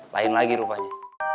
lain lagi rupanya